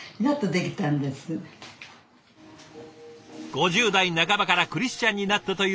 ５０代半ばからクリスチャンになったという峰子さん。